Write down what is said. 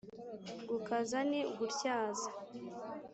Gukaza ni ugutyaza